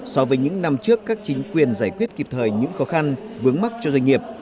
so với những năm trước các chính quyền giải quyết kịp thời những khó khăn vướng mắt cho doanh nghiệp